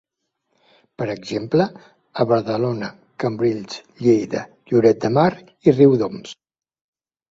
Per exemple, a Badalona, Cambrils, Lleida, Lloret de Mar i Riudoms.